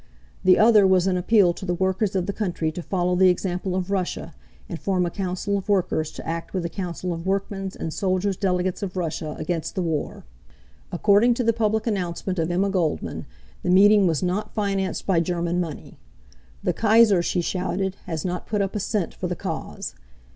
The other was an appeal to the workers of the country to follow the example of Russia and form a Council of Workers to act with the Council of Workmen's and Soldiers' Delegates of Russia against the war. According to the public announcement of Emma Goldman, the meeting was not financed by German money. "The Kaiser," she shouted, "has not put up a cent for the cause."